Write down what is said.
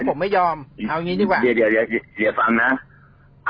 ผมไม่ยอมเอาอย่างงี้ดีกว่าเดี๋ยวเดี๋ยวเดี๋ยวเดี๋ยวฟังนะ